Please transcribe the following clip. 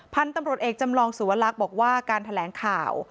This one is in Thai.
พันธุ์ตำรวจเอกจำลองสุวรรคบอกว่าการแถลงข่าว